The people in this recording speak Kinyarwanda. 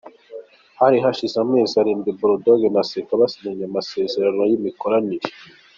Hari hashize amezi arindwi Bull Dogg na Seka basinyanye amasezerano y’imikoranire.